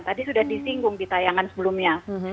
tadi sudah disinggung di tayangan sebelumnya